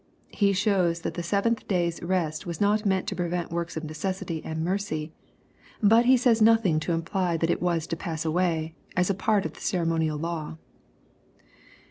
He shows that the seventh day's rest was not meant to prevent works of necessity and mercy, but He says nothing to imply that it was to pass away, as a part of the ceremonial law.